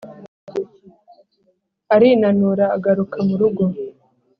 Arinanura agaruka mu rugo.